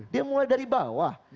dia mulai dari bawah